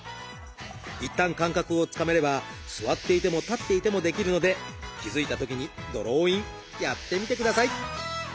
いったん感覚をつかめれば座っていても立っていてもできるので気付いたときにドローインやってみてください！